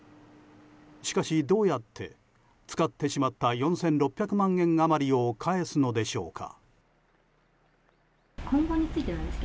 しかし、どうやって使ってしまった４６００万円余りを返すのでしょうか。